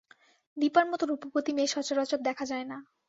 দিপার মতো রূপবতী মেয়ে সচরাচর দেখা যায় না।